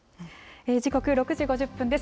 時刻６時５０分です。